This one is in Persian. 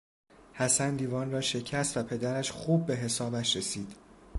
حسن لیوان را شکست و پدرش خوب به حسابش رسید.